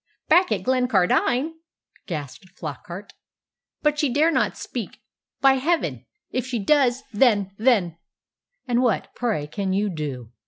"Back at Glencardine!" gasped Flockart. "But she dare not speak. By heaven! if she does then then " "And what, pray, can you do?"